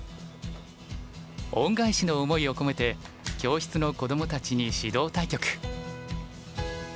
恩返しの思いを込めて教室の子供たちに指導対局。